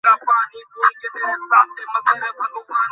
এখন তাড়াতাড়ি করো।